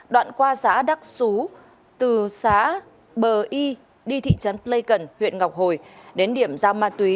đoạn qua xã đắc xú từ xã bờ y đi thị trấn pleikon huyện ngọc hồi đến điểm giao ma túy